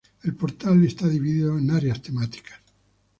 El portal está dividido en áreas temáticas.